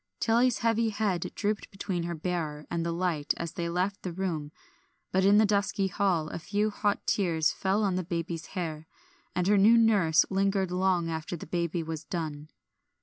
Tilly's heavy head drooped between her bearer and the light as they left the room, but in the dusky hall a few hot tears fell on the baby's hair, and her new nurse lingered long after the lullaby was done.